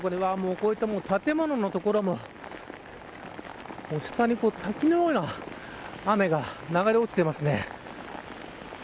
こういった建物の所も下に滝のような雨が流れ落ちていますね。